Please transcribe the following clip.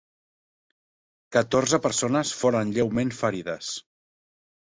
Catorze persones foren lleument ferides.